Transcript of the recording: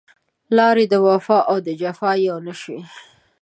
لارې د وفا او جفا يو نه شوې